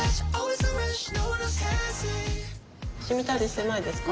しみたりしてないですか？